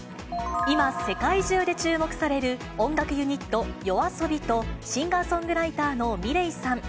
今、世界中で注目される音楽ユニット、ＹＯＡＳＯＢＩとシンガーソングライターのｍｉｌｅｔさん。